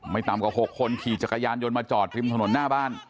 ต่ำกว่า๖คนขี่จักรยานยนต์มาจอดริมถนนหน้าบ้าน